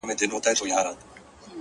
بيا يوازيتوب دی بيا هغه راغلې نه ده ـ